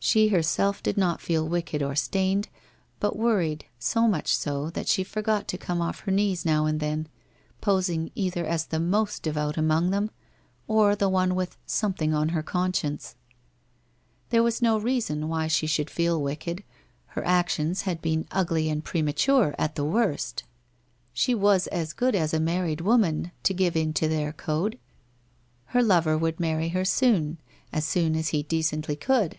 She herself did not feel wicked or stained, but worried, so much so that she forgot to come off her knees now and then, posing either as the most devout among them all, or the one with ' something on her conscience.' There was no reason why she should feel wicked, her WHITE ROSE OF WEARY LEAF 279 action had been ugly and premature at the worst. She was as good as a married woman, to give in to their code. Her lover would marry her soon, as soon as he decently could.